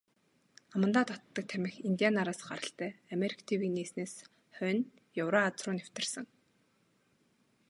Амандаа татдаг тамхи индиан нараас гаралтай, Америк тивийг нээснээс хойно Еврази руу нэвтэрсэн.